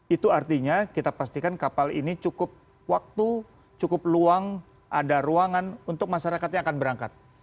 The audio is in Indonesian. itu artinya kita pastikan kapal ini cukup waktu cukup luang ada ruangan untuk masyarakat yang akan berangkat